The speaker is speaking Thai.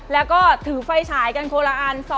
แล้วก็ถือไฟฉายกันคนละอัน